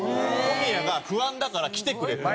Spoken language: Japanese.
小宮が「不安だから来てくれ」と。